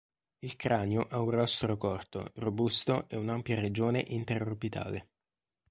Il cranio ha un rostro corto, robusto e un'ampia regione inter-orbitale.